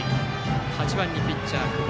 ８番、ピッチャー久保。